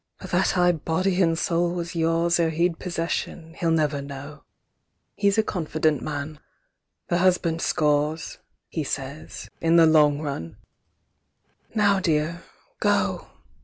"But that I body and soul was yours Ere he'd possession, he'll never know. He's a confident man. 'The husband scores,' He says, 'in the long run' ... Now, Dear, go!"